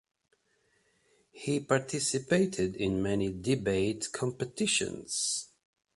He participated in many debate competitions.